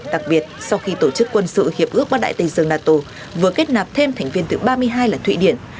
đặc biệt sau khi tổ chức quân sự hiệp ước bắc đại tây dương nato vừa kết nạp thêm thành viên từ ba mươi hai là thụy điển